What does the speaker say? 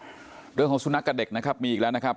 เรื่องของสุนัขกับเด็กนะครับมีอีกแล้วนะครับ